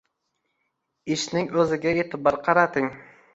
Ishning o’ziga e’tibor qarating